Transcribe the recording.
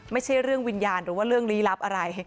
ไม่ใช่เรื่องวิญญาณหรือว่าเรื่องลี้ลับอะไร